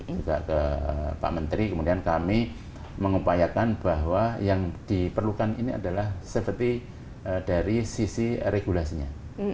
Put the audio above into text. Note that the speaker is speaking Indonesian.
juga ke pak menteri kemudian kami mengupayakan bahwa yang diperlukan ini adalah seperti dari sisi regulasinya